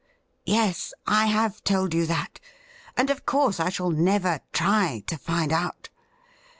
' Yes, I have told you that, and of course I shall never try to find out.